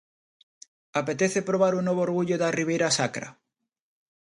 Apetece probar un novo orgullo da Ribeira Sacra?